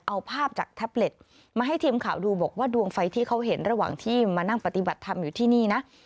เอาภาพจากแท็บเล็ตมาให้ทีมข่าวดูบอกว่าดวงไฟที่เขาเห็นระหว่างที่มานั่งปฏิบัติธรรมอยู่ที่นี่นะ